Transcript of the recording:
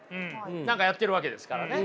何かをやっているわけですからね。